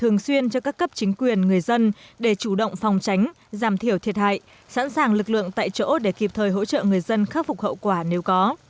người dân để chủ động phòng tránh giảm thiểu thiệt hại sẵn sàng lực lượng tại chỗ để kịp thời hỗ trợ người dân khắc phục hậu quả nếu có